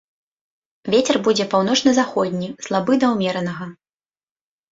Вецер будзе паўночна-заходні слабы да ўмеранага.